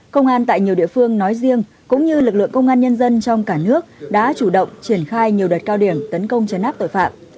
công an tại nhiều địa phương nói riêng cũng như lực lượng công an nhân dân trong cả nước đã chủ động triển khai nhiều đợt cao điểm tấn công chấn áp tội phạm